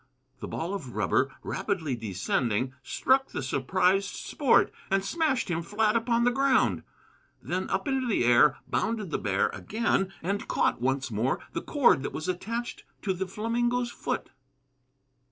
The ball of rubber, rapidly descending, struck the surprised Sport and smashed him flat upon the ground. Then up into the air bounded the bear again, and caught once more the cord that was attached to the flamingo's foot.